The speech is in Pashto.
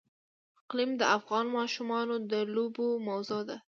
اقلیم د افغان ماشومانو د لوبو موضوع ده.